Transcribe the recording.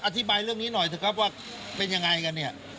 อธิบายเรื่องนี้หน่อยเถอะครับว่าเป็นยังไงกันเนี่ย